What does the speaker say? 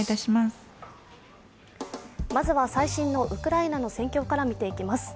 まずは最新のウクライナの戦況から見ていきます。